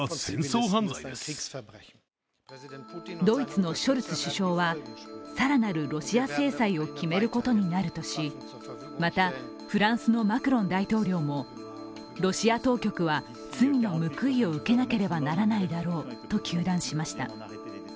ドイツのショルツ首相は更なるロシア制裁を決めることになるとしまた、フランスのマクロン大統領もロシア当局は罪の報いを受けなければならないだろうと糾弾しました。